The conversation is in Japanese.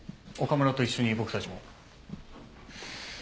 岡村と一緒に僕たちも。